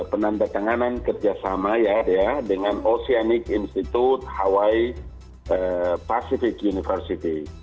ada penandatanganan kerjasama dengan oceanic institute hawaii pacific university